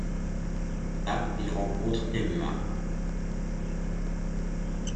Là, il rencontre Emma.